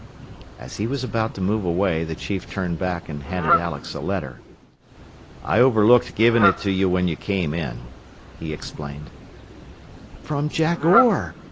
As he was about to move away the chief turned back and handed Alex a letter. "I overlooked giving it to you when you came in," he explained. "From Jack Orr!"